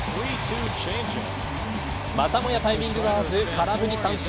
またもやタイミングが合わず空振り三振。